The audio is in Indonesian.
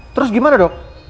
terus gimana dok